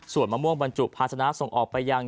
ส่วนมะม่วงบรรจุภาษณาที่อากาศผ่านเข้าไปยัง